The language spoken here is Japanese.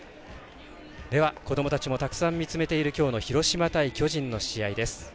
子どもたちもたくさん見つめているきょうの、広島対巨人の試合です。